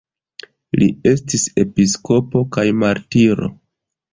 Li estis episkopo kaj martiro.